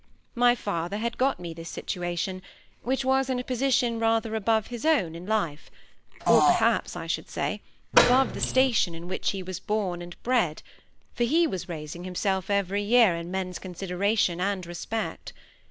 My father had got me this situation, which was in a position rather above his own in life; or perhaps I should say, above the station in which he was born and bred; for he was raising himself every year in men's consideration and respect.